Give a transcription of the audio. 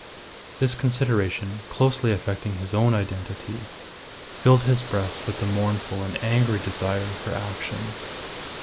This consideration, closely affecting his own identity, filled his breast with a mournful and angry desire for action.